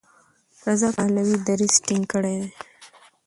رضا پهلوي دریځ ټینګ کړی دی.